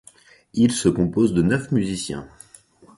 Il se compose de neuf musiciens.